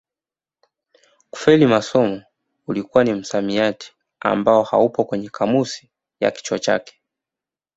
Kufeli masomo ulikuwa ni msamiati ambao haupo kwenye kamusi ya kichwa chake